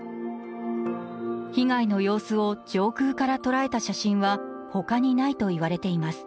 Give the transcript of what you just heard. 被害の様子を上空から捉えた写真は他にないといわれています。